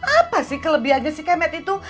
apa sih kelebihannya si kemet itu